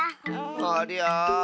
ありゃあ。